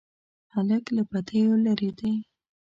هلک له بدیو لیرې دی.